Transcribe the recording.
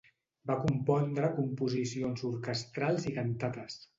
Va compondre composicions orquestrals i cantates.